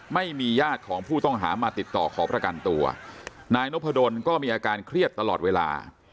ไม่มีญาติของผู้ต้องหามาติดต่อขอประกันตัวนายนพดลก็มีอาการเครียดตลอดเวลา